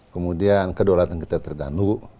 kemudian kedaulatan kita terganggu